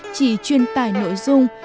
chỉ truyền tải nội dung